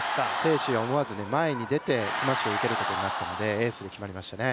思緯は思わず前に出てスマッシュを受けることになったのでエースが決まりましたね。